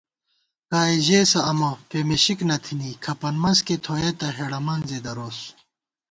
کائےژېسہ امہ، پېمېشِک نہ تھنی * کھپن منز کېئی تھوئېتہ، ہېڑہ منزےدَروس